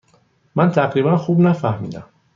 من تقریبا خوب نفهمیدم.